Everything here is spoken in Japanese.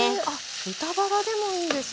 豚バラでもいいんですね。